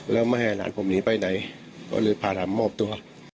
แล้วไม่ให้หลานผมหนีไปไหนก็เลยพาหลานมอบตัว